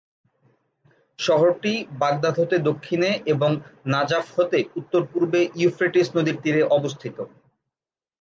শহরটি বাগদাদ হতে দক্ষিণে এবং নাজাফ হতে উত্তরপূর্বে ইউফ্রেটিস নদীর তীরে অবস্থিত।